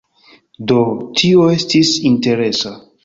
Do, tio estis interesa.